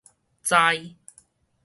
知